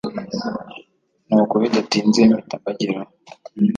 nuko bidatinze mpita mbageraho